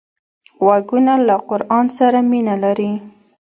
غوږونه له قرآن سره مینه لري